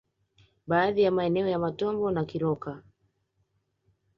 Baadhi ya maeneo ya Matombo na Kiroka